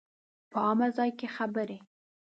په عامه ځای کې خبرې